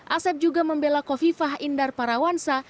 asep juga membela kofifah indar parawansa